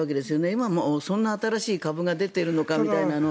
今、そんな新しい株が出ているのかみたいなのを。